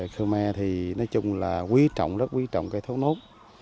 khương me nói chung là quý trọng rất quý trọng cây thốt nốt